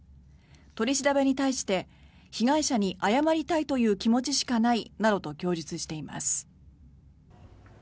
取り調べに対して被害者に謝りたいという気持ちしかないなどと供述しています。